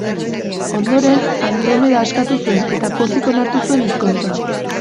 Ondoren, Andromeda askatu zuen eta pozik onartu zuen ezkontza.